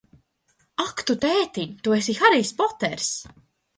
Ak, tu tētiņ, tu esi Harijs Poters!